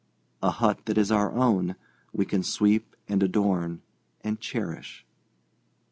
A hut that is our own we can sweep and adorn and cherish.